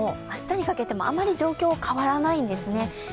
明日にかけてもあまり状況は代わらないんですね。